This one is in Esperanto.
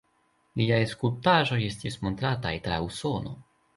Liaj skulptaĵoj estis montrataj tra Usono.